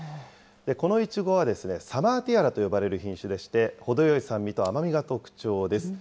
このいちごはサマーティアラと呼ばれる品種でして、程よい酸味と甘みが特徴です。